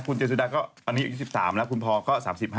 คุณเจสุดาก็อันนี้อายุ๑๓แล้วคุณพอก็๓๕